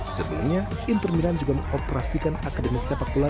sebelumnya inter milan juga mengoperasikan akademis sepak bola